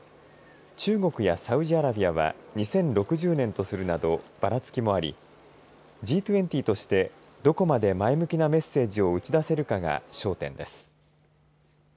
中国やサウジアラビアは２０６０年とするなどばらつきもありＧ２０としてどこまで前向きなメッセージを打ち出せるかが焦点です。